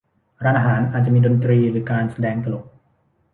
ร้านอาหาร อาจจะมีดนตรีหรือการแสดงตลก